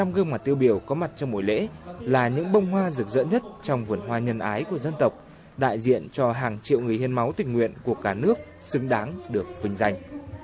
một mươi gương mặt tiêu biểu có mặt trong buổi lễ là những bông hoa rực rỡ nhất trong vườn hoa nhân ái của dân tộc đại diện cho hàng triệu người hiến máu tình nguyện của cả nước xứng đáng được vinh danh